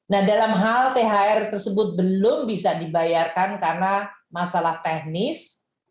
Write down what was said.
nah dalam hal thr tersebut belum bisa dibayarkan karena masalah teknis